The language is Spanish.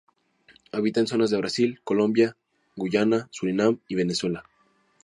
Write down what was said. Habita en zonas de Brasil, Colombia, Guyana, Surinam y Venezuela.